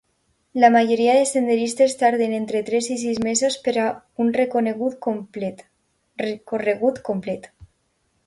La majoria de senderistes tarden entre tres i sis mesos per a un recorregut complet.